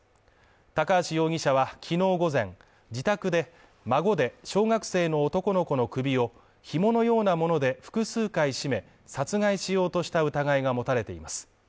高橋容疑者はきのう午前、自宅で孫で、小学生の男の子の首を紐のようなもので複数回絞め殺害しようとした疑いが持たれています。